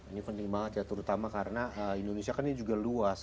ini penting banget ya terutama karena indonesia kan ini juga luas